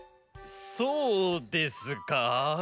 そうですか？